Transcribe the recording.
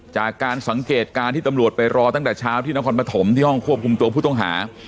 จากการสังเกตการณ์ที่ตำรวจไปรอตั้งแต่เช้าที่นครปฐมที่ห้องควบคุมตัวผู้ต้องหา